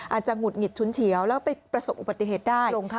อาจจะหวุดหงิดชุนเฉียวแล้วก็ไปประสงค์อุปติเหตุได้